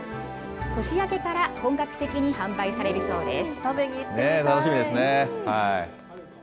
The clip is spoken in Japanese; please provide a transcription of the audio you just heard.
年明けから本格的に販売されるそうです。